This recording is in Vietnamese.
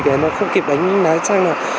để nó không kịp đánh lái xăng nào